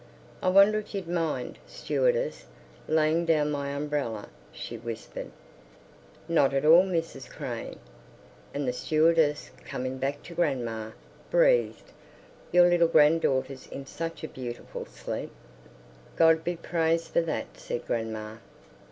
"I wonder if you'd mind, stewardess, laying down my umbrella," she whispered. "Not at all, Mrs. Crane." And the stewardess, coming back to grandma, breathed, "Your little granddaughter's in such a beautiful sleep." "God be praised for that!" said grandma.